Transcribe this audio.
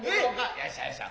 よっしゃよっしゃ。